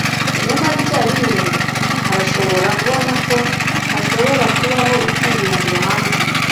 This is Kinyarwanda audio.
nyamara icyarimwe, arashobora kubona ko hashobora kubaho ibyiringiro hanze